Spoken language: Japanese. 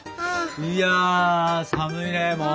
いや寒いねもう。